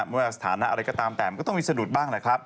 เมื่อสถานะอะไรก็ตามแต่มันก็ต้องมีสะดุดบ้างแหละครับ